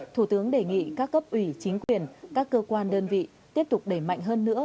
thủ tướng đề nghị các cấp ủy chính quyền các cơ quan đơn vị tiếp tục đẩy mạnh hơn nữa